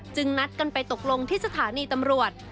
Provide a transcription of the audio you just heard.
นัดกันไปตกลงที่สถานีตำรวจ